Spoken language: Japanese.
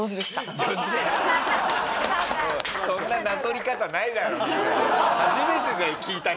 そんななぞり方ないだろうみんな。